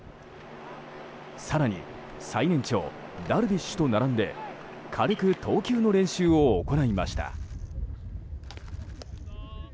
更に最年長、ダルビッシュと並んで軽く投球の練習を行いました。